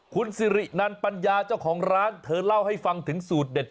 คุณสิรินันปัญญาเจ้าของร้านเธอเล่าให้ฟังถึงสูตรเด็ด